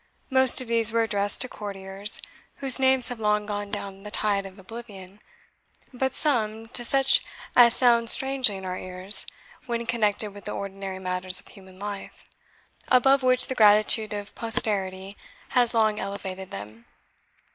Most of these were addressed to courtiers, whose names have long gone down the tide of oblivion; but some, to such as sound strangely in our ears, when connected with the ordinary matters of human life, above which the gratitude of posterity has long elevated them.